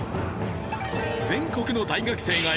全国の大学生が選ぶ！